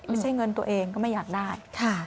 ไม่ใช่เงินตัวเองก็ไม่อยากได้